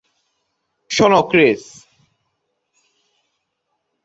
শোনো, ক্রিস।